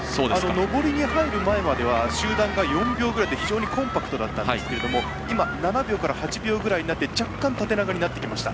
上りに入る前までは集団が４秒ぐらいで非常にコンパクトだったんですが今７秒から８秒ぐらいになって若干、縦長になってきました。